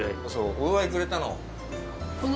お祝くれたの。